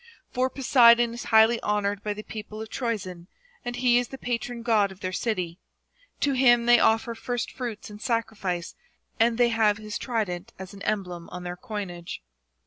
For Poseidon is highly hon oured by the people of Troezen, and he is the patron god of their city; to him they offer first fruits in sacrifice, and they have his trident as an emblem on their coinage.